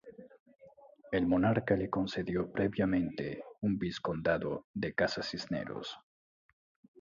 El monarca le concedió previamente un vizcondado de Casa Cisneros.